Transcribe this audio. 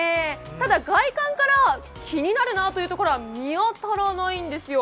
ただ外観から気になるなというところは見当たらないんですよ。